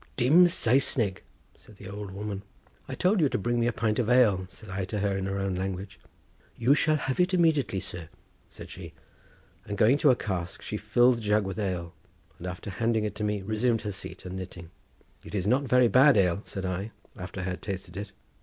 "Dim Saesneg!" said the old woman. "I told you to bring me a pint of ale," said I to her in her own language. "You shall have it immediately, sir," said she; and going to a cask, she filled a jug with ale, and after handing it to me resumed her seat and knitting. "It is not very bad ale," said I, after I had tasted it.